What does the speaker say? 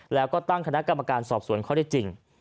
แล้วก็ตั้งคณะกรรมการสอบสวนข้อได้จริง